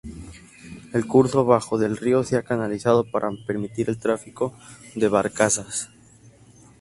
El curso bajo del río se ha canalizado para permitir el tráfico de barcazas.